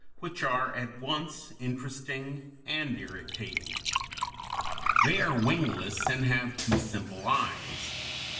228), which are at once interesting and irritating. They are wingless, and have two simple eyes.